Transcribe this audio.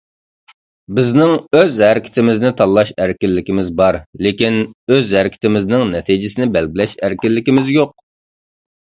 بىزنىڭ ئۆز ھەرىكىتىمىزنى تاللاش ئەركىنلىكىمىز بار، لېكىن ئۆز ھەرىكىتىمىزنىڭ نەتىجىسىنى بەلگىلەش ئەركىنلىكىمىز يوق.